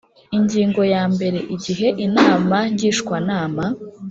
Ingingo ya mbere Igihe Inama Ngishwanama